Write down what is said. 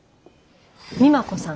美摩子さん。